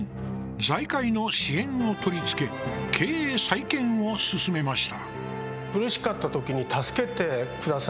財界の支援を取り付け経営再建を進めました。